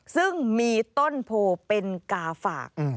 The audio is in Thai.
ซึ่งมีต้นโพเป็นกาฝาก